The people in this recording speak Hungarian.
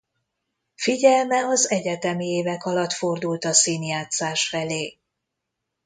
Figyelme az egyetemi évek alatt fordult a színjátszás felé.